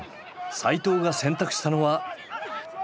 齋藤が選択したのは。